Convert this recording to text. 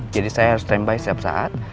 jadi saya harus standby setiap saat